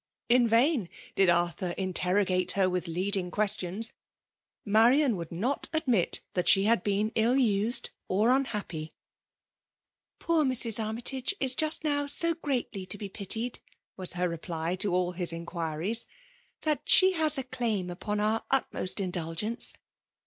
In vain did Arthur interrogate her with leading ques* tions ; Marian would not admit that she had been ill used or unhappy. VOL. III. M 242 FKMALB DOMINATIOV. '' Poor Mrs. Armytage is just bow so greatly to be pitiedL" was her reply to all his inquirieaiy " that she has a claim upon our utmost indulgence.